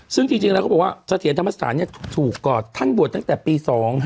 ซึ่งจริงแล้วเขาบอกว่าเสถียรธรรมสถานถูกก่อนท่านบวชตั้งแต่ปี๒๕๖